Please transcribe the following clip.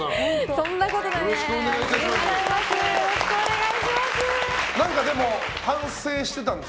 そんなことないです。